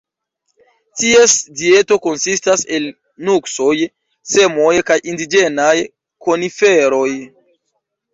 Ties dieto konsistas el nuksoj, semoj kaj indiĝenaj koniferoj.